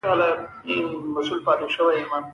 پنځه کاله مخکې لاړی اوس هم ژاړم چی ولې